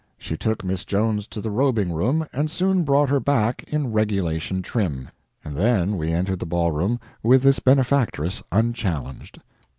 She took Miss Jones to the robing room, and soon brought her back in regulation trim, and then we entered the ballroom with this benefactress unchallenged.